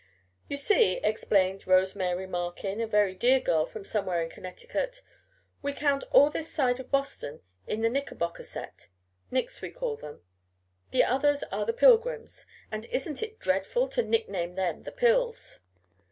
"You see," explained Rose Mary Markin, a very dear girl from somewhere in Connecticut, "we count all this side of Boston in the Knickerbocker set, 'Knicks,' we call them. The others are the Pilgrims; and isn't it dreadful to nickname them the 'Pills?'"